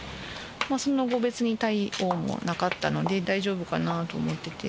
その後、別に対応もなかったので、大丈夫かなと思ってて。